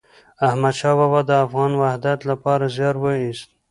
احمد شاه بابا د افغان وحدت لپاره زیار وایست.